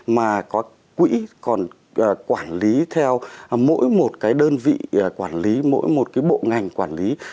mà có quỹ còn quản lý theo mỗi một đơn vị quản lý mỗi một bộ ngành quản lý